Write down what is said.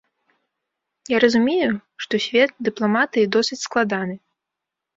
Я разумею, што свет дыпламатыі досыць складаны.